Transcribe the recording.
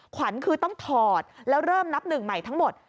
ขวัญคือต้องถอดแล้วเริ่มนับหนึ่งใหม่ทั้งหมด